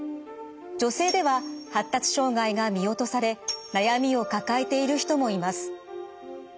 女性では発達障害が見落とされ悩みを抱えている人もいます。